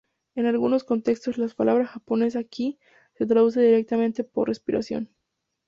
En algunos contextos, la palabra japonesa "ki" se traduce directamente por respiración.